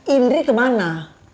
indri ke mana